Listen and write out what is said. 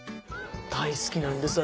大好きなんです